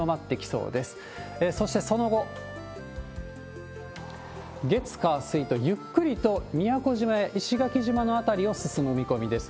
そしてその後、月、火、水とゆっくりと宮古島や石垣島の辺りを進む見込みです。